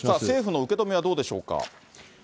政府の受け止めはどうでしょうか。